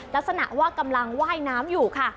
ลักษณะว่ากำลังว่ายน้ำอยู่ค่ะ